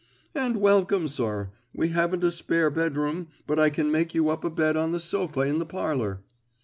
"And welcome, sir. We haven't a spare bedroom, but I can make you up a bed on the sofa in the parlour."